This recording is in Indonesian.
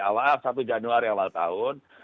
maaf satu januari awal tahun